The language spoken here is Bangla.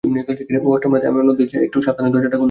অষ্টম রাতে আমি অন্যদিনের চেয়ে একটু সাবধানে দরজাটা খুললাম।